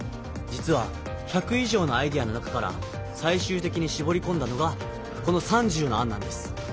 実は１００以上のアイデアの中からさい終的にしぼりこんだのがこの３０の案なんです。